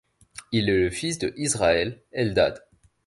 Il est le fils de Israël Eldad.